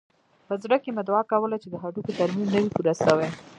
په زړه کښې مې دعا کوله چې د هډوکي ترميم نه وي پوره سوى.